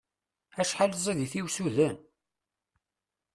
Acḥal ẓid-it i usuden!